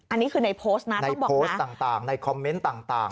อันนี้คือในโพสต์นั้นในโพสต์ต่างในคอมเมนต์ต่าง